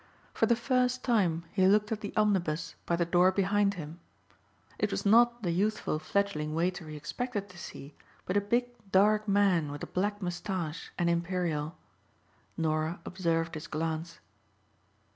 For the first time he looked at the omnibus by the door behind him. It was not the youthful fledgling waiter he expected to see but a big, dark man with a black moustache and imperial. Norah observed his glance.